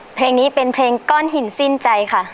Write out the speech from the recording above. เพลงนี้เป็นเพลงก้อนหินสิ้นใจค่ะ